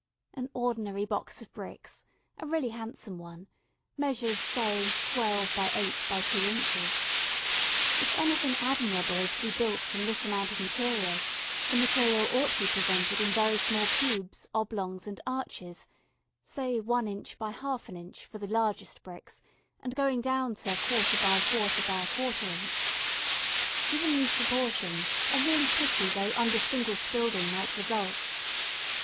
An ordinary box of bricks a really handsome one measures, say, 12 by 8 by 2 in. If anything admirable is to be built from this amount of material the material ought to be presented in very small cubes, oblongs and arches say 1 in. by ½ in. for the largest bricks, and going down to ¼ by ¼ by ¼ in. Given these proportions a really pretty though undistinguished building might result.